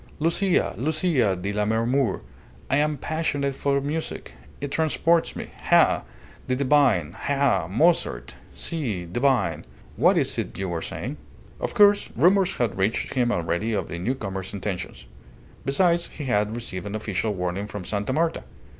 "Lucia, Lucia di Lammermoor! I am passionate for music. It transports me. Ha! the divine ha! Mozart. Si! divine ... What is it you were saying?" Of course, rumours had reached him already of the newcomer's intentions. Besides, he had received an official warning from Sta. Marta.